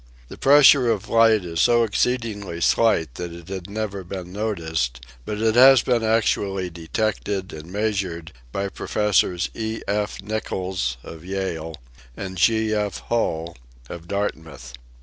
The pressure of light is so exceedingl)/ slight that it had never been noticed, but it has been actually detected and measured by Professors E. F. Nichols of Yale and G. F. Hull of Dartmouth.